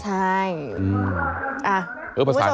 กินขออาหาร